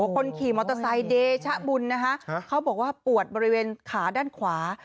คนขี่มอเตอร์ไซค์เดชะบุญนะคะเขาบอกว่าปวดบริเวณขาด้านขวา